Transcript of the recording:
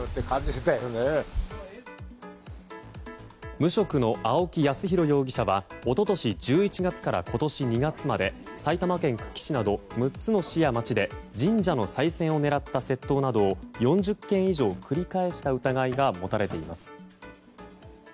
無職の青木康弘容疑者は一昨年１１月から今年２月まで埼玉県久喜市など６つの市や町で神社のさい銭を狙った窃盗などを４０件以上繰り返した疑いが持たれています。